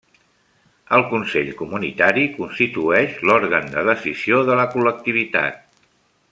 El consell comunitari constitueix l'òrgan de decisió de la col·lectivitat.